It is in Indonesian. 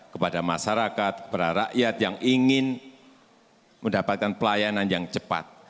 kepada masyarakat kepada rakyat yang ingin mendapatkan pelayanan yang cepat